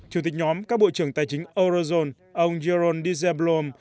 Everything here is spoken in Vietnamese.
chủ tịch nhóm các bộ trưởng tài chính eurozone ông jeroen dijerblom